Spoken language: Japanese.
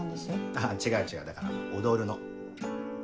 あぁ違う違うだから『踊る』の。